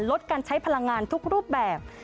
ลดการใช้พลังงานทุกรูปแบบ